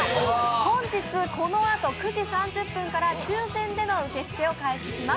本日このあと９時３０分から抽選での受け付けを開始します。